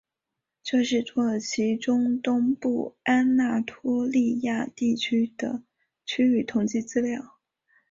这是土耳其中东部安那托利亚地区的区域统计资料。